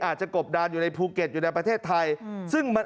กบดานอยู่ในภูเก็ตอยู่ในประเทศไทยซึ่งมัน